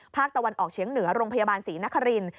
ภาคตะวันออกเฉียงเหนือโรงพยาบาลศรีนคริน